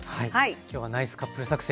今日は「ナイスカップル作戦！」